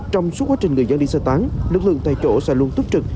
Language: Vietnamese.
trong suốt quá trình người dân đi xa tán lực lượng tại chỗ sẽ luôn túp trực